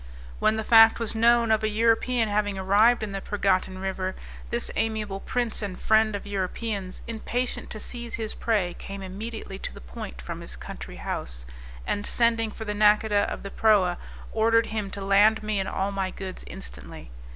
When the fact was known of an European having arrived in the Pergottan river, this amiable prince and friend of Europeans, impatient to seize his prey, came immediately to the point from his country house, and sending for the nacodah of the proa, ordered him to land me and all my goods instantly.